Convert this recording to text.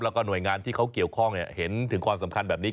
แล้วก็หน่วยงานที่เขาเกี่ยวข้องเห็นถึงความสำคัญแบบนี้